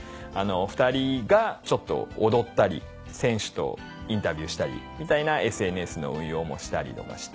２人がちょっと踊ったり選手とインタビューしたりみたいなＳＮＳの運用もしたりとかして。